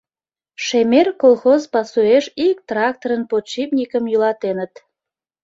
«Шемер» колхоз пасуэш ик тракторын подшипникым йӱлатеныт.